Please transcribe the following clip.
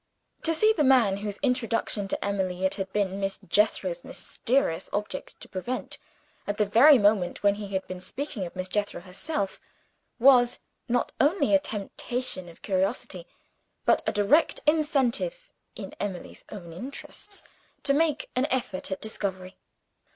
To see the man, whose introduction to Emily it had been Miss Jethro's mysterious object to prevent at the very moment when he had been speaking of Miss Jethro herself was, not only a temptation of curiosity, but a direct incentive (in Emily's own interests) to make an effort at discovery.